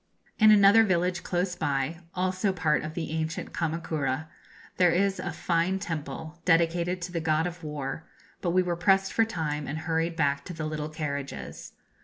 In another village close by also part of the ancient Kama kura there is a fine temple, dedicated to the God of War; but we were pressed for time, and hurried back to the little carriages.